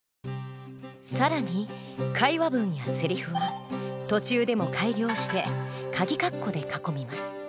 更に会話文やせりふは途中でも改行してかぎ括弧で囲みます。